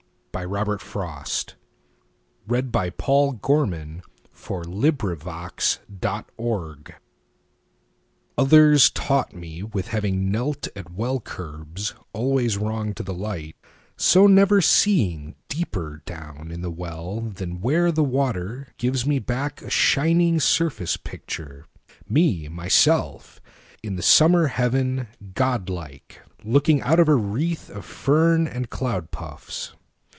4. For Once, Then, Something (From Harper's Magazine, July 1920.) OTHERS taunt me with having knelt at well curbsAlways wrong to the light, so never seeingDeeper down in the well than where the waterGives me back in a shining surface pictureMy myself in the summer heaven, godlikeLooking out of a wreath of fern and cloud puffs.